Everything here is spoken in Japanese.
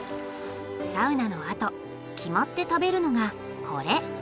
サウナのあと決まって食べるのがこれ。